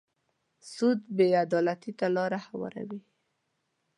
سود بې عدالتۍ ته لاره هواروي.